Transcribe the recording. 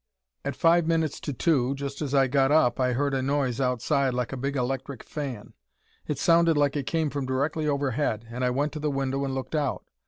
"At five minutes to two, just as I got up, I heard a noise outside like a big electric fan. It sounded like it came from directly overhead and I went to the window and looked out.